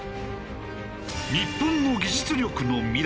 日本の技術力の未来